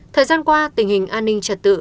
thời gian qua tình hình an ninh trật tự